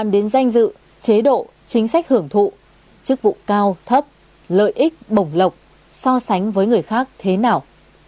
đến danh dự chế độ chính sách hưởng thụ chức vụ cao thấp lợi ích bổng lộc so sánh với người khác thế nào